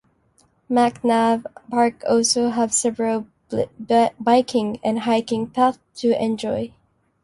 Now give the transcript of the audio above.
McNabb park also has several biking and hiking paths to enjoy.